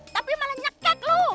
tapi malah nyekek lu